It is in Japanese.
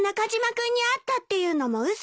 君に会ったっていうのも嘘？